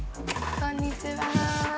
こんにちは。